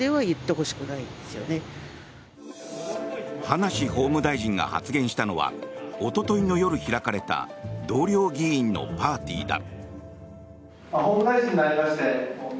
葉梨法務大臣が発言したのはおとといの夜、開かれた同僚議員のパーティーだ。